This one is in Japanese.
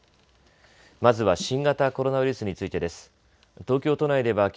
まずは新型コロナウイルスについてです。